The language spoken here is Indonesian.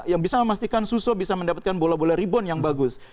yang bisa memastikan susu bisa mendapatkan bola bola rebound yang bagus